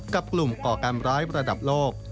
กับกลุ่มก่อการร้ายระดับโลก